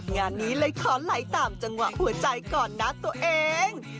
งานนี้เลยขอไหลตามจังหวะหัวใจก่อนนะตัวเอง